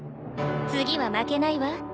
次は負けないわ。